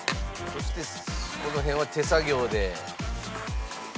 そしてこの辺は手作業で。